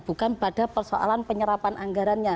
bukan pada persoalan penyerapan anggarannya